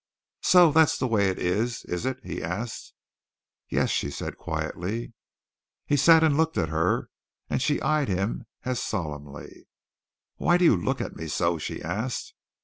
"So that's the way it is, is it?" he asked. "Yes," she said quietly. He sat and looked at her, and she eyed him as solemnly. "Why do you look at me so?" she asked.